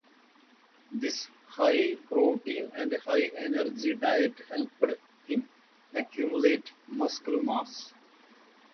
This high protein and high energy diet helped him accumulate muscle mass.